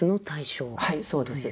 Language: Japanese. はいそうです。